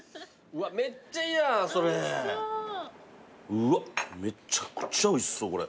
うわっめちゃくちゃおいしそうこれ。